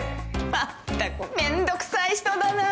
まったくめんどくさい人だな！